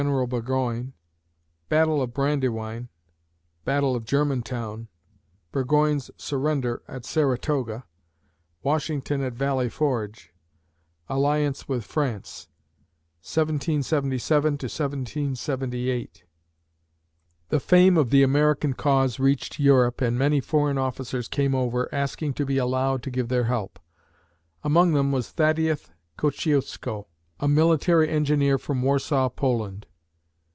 BURGOYNE BATTLE OF BRANDYWINE BATTLE OF GERMANTOWN BURGOYNE'S SURRENDER AT SARATOGA WASHINGTON AT VALLEY FORGE ALLIANCE WITH FRANCE 1777 1778 [Illustration: Marquis de La Fayette] The fame of the American cause reached Europe and many foreign officers came over, asking to be allowed to give their help. Among them was Thaddeus Kosciusko, a military engineer from Warsaw (Poland).